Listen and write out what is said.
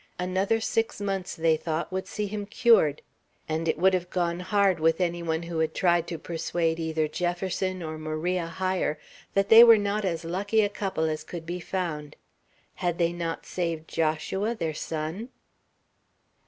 Another six months, they thought, would see him cured; and it would have gone hard with any one who had tried to persuade either Jefferson or Maria Hyer that they were not as lucky a couple as could be found. Had they not saved Joshua, their son?